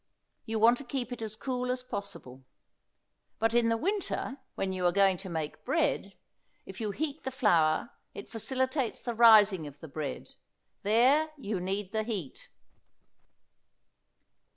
You want to keep it as cool as possible. But in the winter when you are going to make bread, if you heat the flour it facilitates the rising of the bread; there you need the heat.